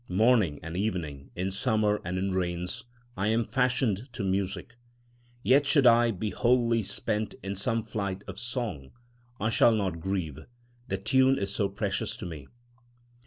Morning and evening, in summer and in rains, I am fashioned to music. Yet should I be wholly spent in some flight of song, I shall not grieve, the tune is so precious to me.